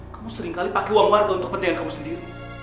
kamu seringkali pakai uang warga untuk kepentingan kamu sendiri